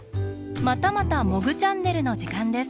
またまた「モグチャンネル」のじかんです。